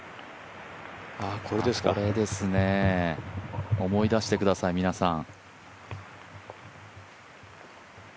これですね、思い出してください、皆さん。